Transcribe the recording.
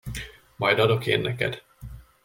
Majd adok én neked!